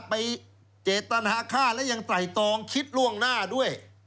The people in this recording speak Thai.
ไปเจตนาฆ่าและยังไตรตองคิดล่วงหน้าด้วย